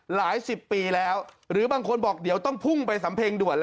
หลายสิบปีแล้วหรือบางคนบอกเดี๋ยวต้องพุ่งไปสำเพ็งด่วน